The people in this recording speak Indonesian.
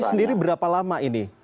sendiri berapa lama ini